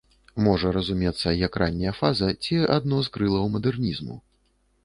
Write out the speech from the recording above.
Можа разумецца як ранняя фаза ці адно з крылаў мадэрнізму.